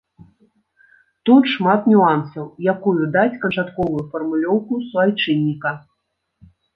Тут шмат нюансаў, якую даць канчатковую фармулёўку суайчынніка.